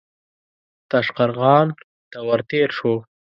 تاشقرغان ته ور تېر شو.